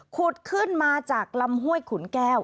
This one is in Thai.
ขุดขึ้นมาจากลำห้วยขุนแก้ว